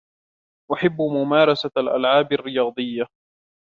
أحب ممارسة الألعاب الرياضية.